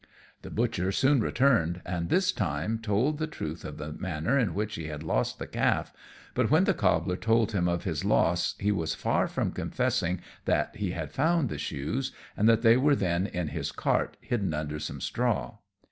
The butcher soon returned, and this time told the truth of the manner in which he had lost the calf; but when the cobbler told him of his loss he was far from confessing that he had found the shoes, and that they were then in his cart, hidden under some straw.